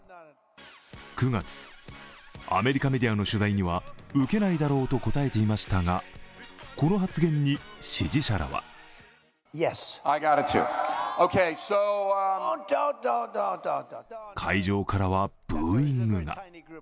９月、アメリカメディアの取材には受けないだろうと答えていましたが、この発言に支持者らは会場からはブーイングが。